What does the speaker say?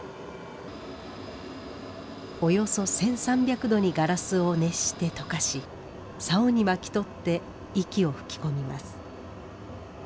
およそ１，３００度にガラスを熱して溶かし棹に巻き取って息を吹き込みます。